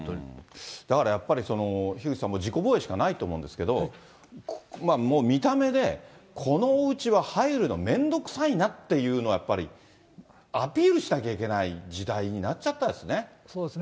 だからやっぱり、樋口さん、もう自己防衛しかないと思うんですけど、もう見た目で、このおうちは入るの面倒くさいなっていうのをやっぱりアピールしなきゃいけない時代になっちゃったですね。